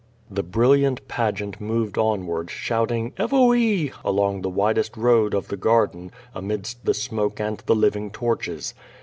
The brilliant pageant moved onward, shouting, Evoe! along the oddest road of the garden, amidst the smoke and the liv ing torches.